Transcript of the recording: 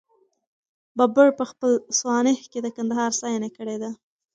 بابر په خپله سوانح کي د کندهار ستاینه کړې ده.